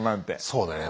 そうだね。